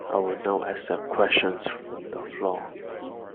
I will now accept questions from the floor.